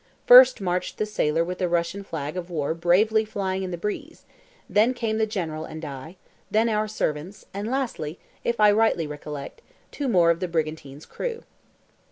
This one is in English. First marched the sailor with the Russian flag of war bravely flying in the breeze, then came the general and I, then our servants, and lastly, if I rightly recollect, two more of the brigantine's crew.